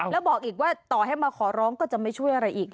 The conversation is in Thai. แล้วบอกอีกว่าต่อให้มาขอร้องก็จะไม่ช่วยอะไรอีก